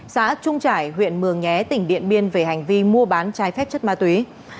xã trung trải huyện mường nhé tỉnh điện biên về hành vi mua bán trái phép chất ma túy